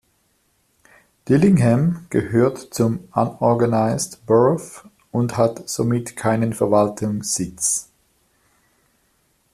Dillingham gehört zum Unorganized Borough und hat somit keinen Verwaltungssitz.